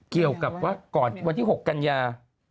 เกี่ยวกับว่าก่อนวันที่๖กันยา